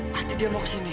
berarti dia mau kesini